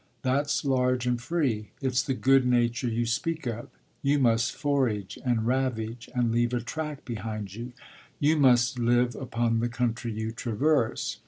That's large and free; it's the good nature you speak of. You must forage and ravage and leave a track behind you; you must live upon the country you traverse.